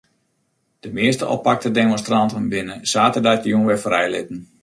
De measte oppakte demonstranten binne saterdeitejûn wer frijlitten.